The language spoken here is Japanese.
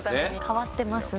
変わってますね。